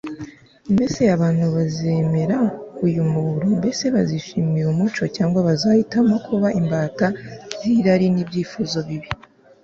mbese abantu bazemera uyu muburo? mbese bazishimira umucyo, cyangwa bazahitamo kuba imbata z'irari n'ibyifuzo bibi